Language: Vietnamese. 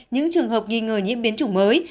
những trường hợp nghi ngờ nhiễm biến chủng mới